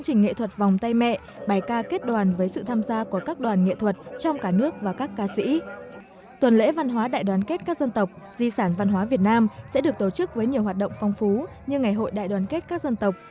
sẽ được tổ chức với nhiều hoạt động phong phú như ngày hội đại đoàn kết các dân tộc